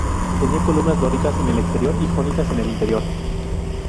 Tenía columnas dóricas en el exterior y jónicas en el interior.